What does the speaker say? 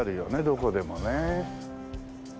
どこでもね。